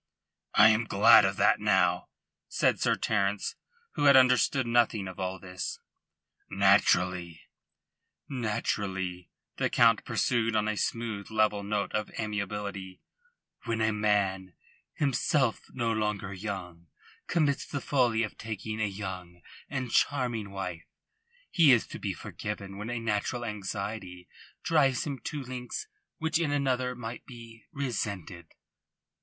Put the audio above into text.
"I am glad of that now," said Sir Terence, who had understood nothing of all this. "Naturally," the Count pursued on a smooth, level note of amiability, "when a man, himself no longer young, commits the folly of taking a young and charming wife, he is to be forgiven when a natural anxiety drives him to lengths which in another might be resented."